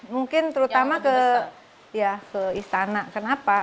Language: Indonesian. mungkin terutama ke istana